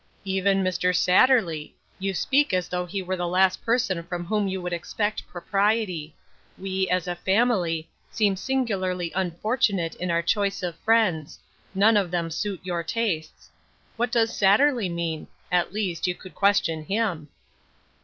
" Even Mr Satterley ! You speak as though he were the last person from whom you would expect propriety ; we, as a family, seem singularly un fortunate in our choice of friends; none of them suit your tastes. What does Satterley mean ? At least, you could question him."